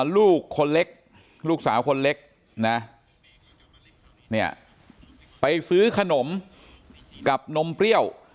ลูกคนเล็กลูกสาวคนเล็กนะเนี่ยไปซื้อขนมกับนมเปรี้ยว